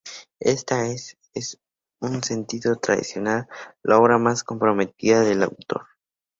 Esta es, en un sentido tradicional, la obra más comprometida del autor.